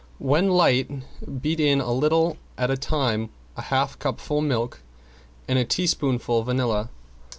When light beat in a little at a time, a half cupful milk and a teaspoonful vanilla.